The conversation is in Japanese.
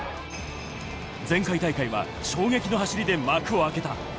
前回大会は衝撃の走りで幕を開けた。